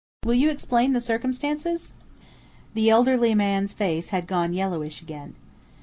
Will you explain the circumstances?" The elderly man's face had gone yellowish again.